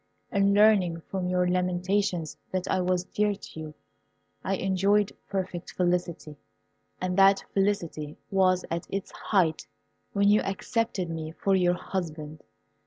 In learning from your lamentations that I was dear to you, I enjoyed perfect felicity, and that felicity was at its height when you accepted me for your husband.